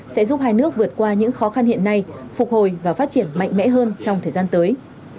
sẽ giúp hai nước vượt qua những khó khăn hiện nay phục hồi và phát triển mạnh mẽ hơn trong thời gian tới